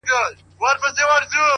o د بل کټ تر نيمي شپې دئ!